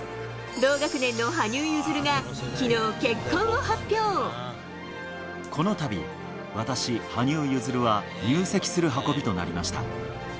同学年の羽生結弦が、きのう、このたび、私、羽生結弦は入籍する運びとなりました。